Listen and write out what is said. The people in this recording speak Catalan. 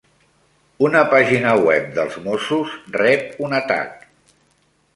Una pàgina web dels mossos rep un atac